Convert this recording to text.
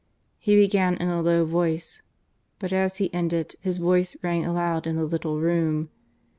He began in a low voice, but as he ended his voice rang aloud in the little room.